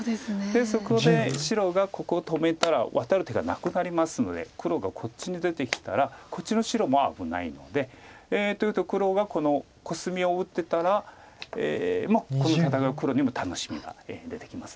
そこで白がここを止めたらワタる手がなくなりますので黒がこっちに出てきたらこっちの白も危ないので。というと黒がこのコスミを打てたらこの戦いは黒にも楽しみが出てきます。